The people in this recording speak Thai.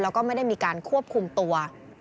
แล้วก็ไม่ได้มีการควบคุมตัว